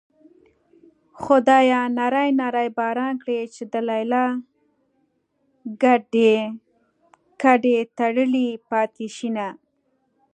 خدايه نری نری باران کړې چې د ليلا ګډې تړلې پاتې شينه